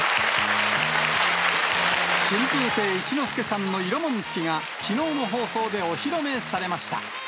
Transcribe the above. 春風亭一之輔さんの色紋付きがきのうの放送でお披露目されました。